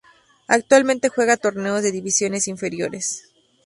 Actualmente juega torneos de divisiones inferiores.